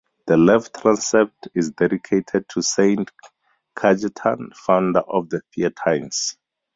The left transept is dedicated to Saint Cajetan, founder of the Theatines.